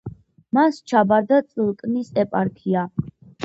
მას ჩაბარდა წილკნის ეპარქია.